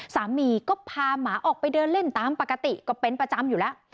สามีก็พาหมาออกไปเดินเล่นตามปกติก็เป็นประจำอยู่แล้ว